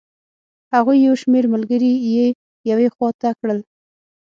هغوی یو شمېر ملګري یې یوې خوا ته کړل.